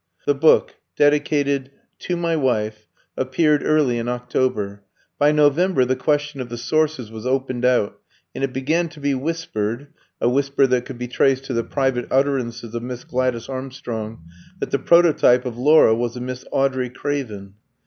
The book, dedicated "To my Wife," appeared early in October. By November the question of the sources was opened out, and it began to be whispered (a whisper that could be traced to the private utterances of Miss Gladys Armstrong) that the prototype of Laura was a Miss Audrey Craven.